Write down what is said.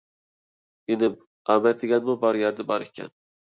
ئىنىم، ئامەت دېگەنمۇ بار يەردە بار ئىكەن.